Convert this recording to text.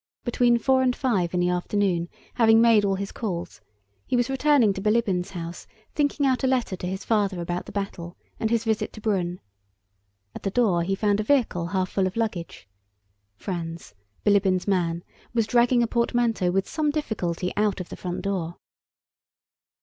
Between four and five in the afternoon, having made all his calls, he was returning to Bilíbin's house thinking out a letter to his father about the battle and his visit to Brünn. At the door he found a vehicle half full of luggage. Franz, Bilíbin's man, was dragging a portmanteau with some difficulty out of the front door.